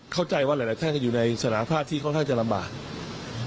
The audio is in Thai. เข้าใจว่าหลายท่านก็อยู่ในสถานภาพที่ค่อนข้างจะลำบาก